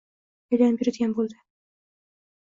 aylanib yuradigan bo'ldi.